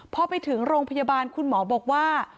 พอไปถึงโรงพยาบาลคุณหมอบอกว่า